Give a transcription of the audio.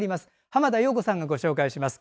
浜田陽子さんがご紹介します。